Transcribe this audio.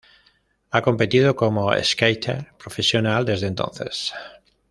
Ha competido como skater profesional desde entonces.